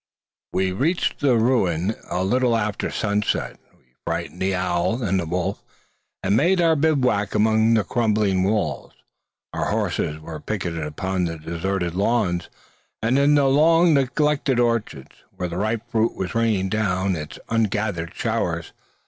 We reached the ruin a little after sunset. We frightened the owl and the wolf, and made our bivouac among the crumbling walls. Our horses were picketed upon the deserted lawns, and in the long neglected orchards, where the ripe fruit was raining down its ungathered showers.